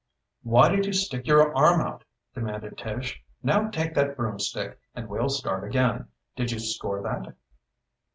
"Why did you stick your arm out?" demanded Tish. "Now take that broomstick and we'll start again. Did you score that?"